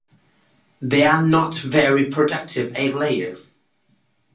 They are not very productive egg layers.